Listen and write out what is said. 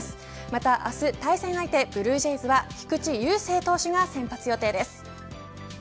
また明日対戦相手ブルージェイズは菊池雄星投手が先発予定です。